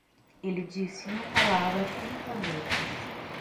Ele disse uma palavra trinta vezes.